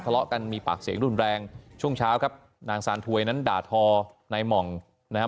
ทะเลาะกันมีปากเสียงรุนแรงช่วงเช้าครับนางซานถวยนั้นด่าทอนายหม่องนะครับ